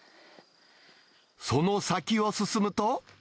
その先を進むと。